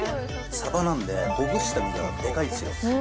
サバなんで、ほぐした身がでかいですよ。